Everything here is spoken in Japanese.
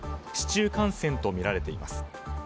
市中感染とみられています。